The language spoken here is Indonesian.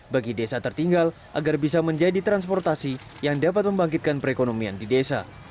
bagi desa tertinggal agar bisa menjadi transportasi yang dapat membangkitkan perekonomian di desa